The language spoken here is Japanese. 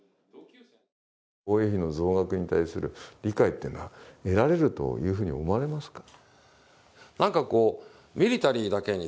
防衛費の増額に対する理解というのは得られると思われますか？